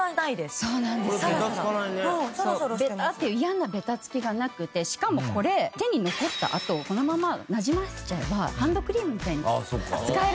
ベタっていう嫌なベタつきがなくてしかもこれ手に残ったあとこのままなじませちゃえばハンドクリームみたいに使えるんです。